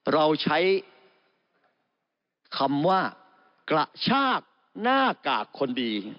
เราใช้คำว่ากระชากหน้ากากคนดี